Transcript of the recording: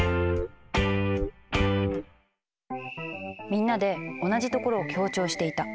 みんなで同じところを強調していた。